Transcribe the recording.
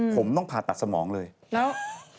ผมต้องผ่าตัดสมองเลยแล้ว